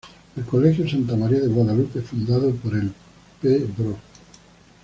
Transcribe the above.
El Colegio Santa María de Guadalupe fundado por el Pbro.